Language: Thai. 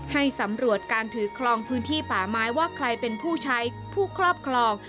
ให้สำรวจการถือครองพื้นที่ป่าไม้ว่าใครเป็นผู้ใช้ผู้ครอบครอง